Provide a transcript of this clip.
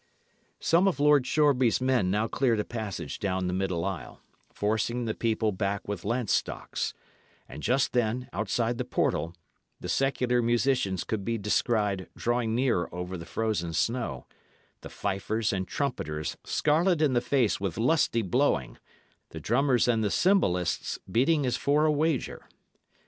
Some of Lord Shoreby's men now cleared a passage down the middle aisle, forcing the people back with lance stocks; and just then, outside the portal, the secular musicians could be descried drawing near over the frozen snow, the fifers and trumpeters scarlet in the face with lusty blowing, the drummers and the cymbalists beating as for a wager.